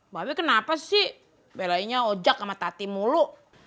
ba be kenapa sih belainya ojak sama tati mulu